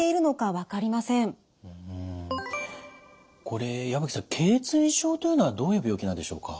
これ矢吹さんけい椎症というのはどういう病気なんでしょうか。